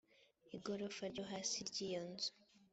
igorofa ryo hasi ry iyo nzu